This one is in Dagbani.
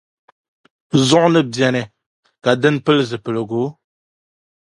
Zuɣu ni beni ka dini pili zuɣupiligu?